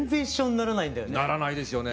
ならないですよね。